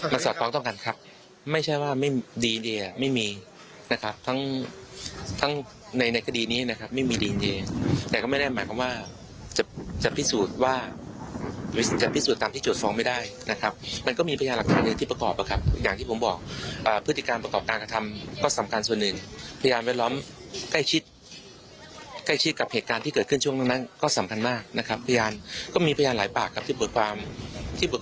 มันสอดคล้องต้องการครับไม่ใช่ว่าไม่ดีดีอ่ะไม่มีนะครับทั้งทั้งในในคดีนี้นะครับไม่มีดีดีแต่ก็ไม่ได้หมายความว่าจะจะพิสูจน์ว่าจะพิสูจน์ตามที่โจทย์ฟองไม่ได้นะครับมันก็มีพยานหลักฐานเลยที่ประกอบอะครับอย่างที่ผมบอกอ่าพฤติการประกอบการกระทำก็สำคัญส่วนหนึ่งพยานแวดล้อมใกล้ชิดใกล